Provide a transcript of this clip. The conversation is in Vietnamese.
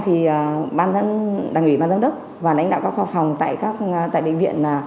thì đảng ủy ban giám đốc và lãnh đạo các khoa phòng tại bệnh viện